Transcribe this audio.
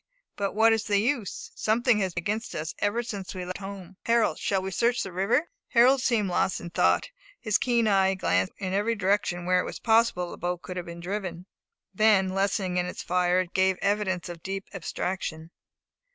But what is the use? something has been against us ever since we left home. Harold, shall we search the river?" Harold seemed lost in thought. His keen eye had glanced in every direction, where it was possible the boat could have been driven; then lessening in its fire, it gave evidence of deep abstraction.